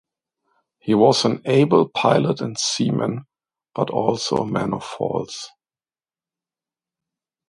He was an able pilot and seaman, but also a man of faults.